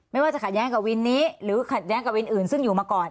ไม่ว่าจะขัดแย้งกับวินนี้หรือขัดแย้งกับวินอื่นซึ่งอยู่มาก่อน